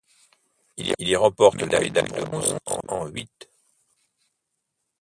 Il y remporte la médaille de bronze en huit.